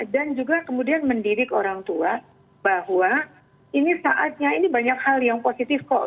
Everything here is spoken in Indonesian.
dan juga kemudian mendidik orang tua bahwa ini saatnya ini banyak hal yang positif kok